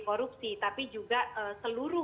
korupsi tapi juga seluruh